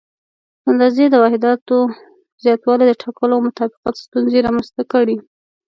د اندازې د واحداتو زیاتوالي د ټاکلو او مطابقت ستونزې رامنځته کړې.